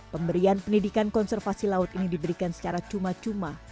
pemberian pendidikan konservasi laut ini diberikan secara cuma cuma